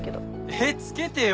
えっ付けてよ。